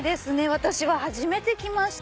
私は初めて来ました。